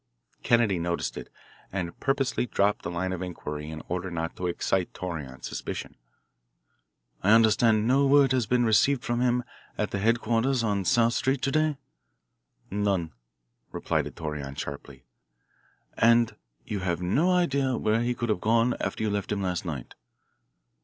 Kennedy noticed it, and purposely dropped the line of inquiry in order not to excite Torreon's suspicion. "I understand no word has been received from him at the headquarters on South Street to day." "None," replied Torreon sharply. "And you have no idea where he could have gone after you left him last night?"